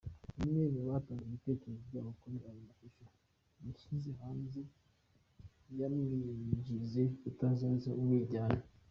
Umwe mu batanze ibitekerezo byabo kuri ayo mashusho yashyizwe hanze yamwinginze kutazateza umwiryane.